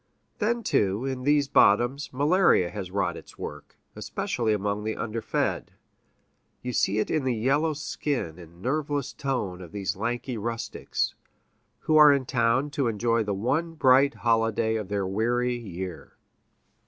Then, too, in these bottoms, malaria has wrought its work, especially among the underfed; you see it in the yellow skin and nerveless tone of these lanky rustics, who are in town to enjoy the one bright holiday of their weary year.